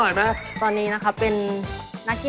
เชิ่ร์ลิบดิ้งก็จะเป็นประเภท